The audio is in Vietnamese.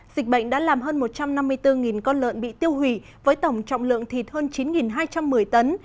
dịch bệnh đã làm hơn một trăm năm mươi bốn con lợn bị tiêu hủy với tổng trọng lượng thịt hơn chín hai trăm một mươi tấn